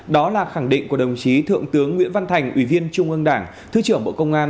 đó là khẳng định của đồng chí thượng tướng nguyễn văn thành ủy viên trung ương đảng thứ trưởng bộ công an